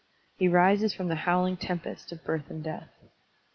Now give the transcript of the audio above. He rises from the howling tempest of birth and death.